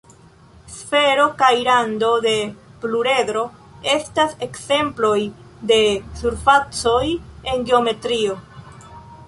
Sfero kaj rando de pluredro estas ekzemploj de surfacoj en geometrio.